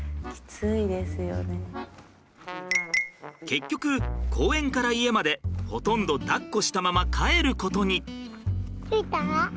結局公園から家までほとんどだっこしたまま帰ることに。